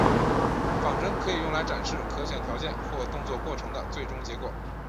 仿真可以用来展示可选条件或动作过程的最终结果。